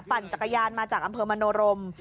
ปั่นจักรยานมาจากอำเภอมโนรม